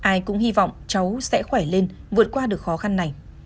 ai cũng hy vọng cháu sẽ khỏe lên vượt qua được khó khăn này